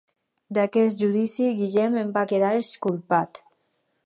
D'aquest judici, Guillem en va quedar exculpat.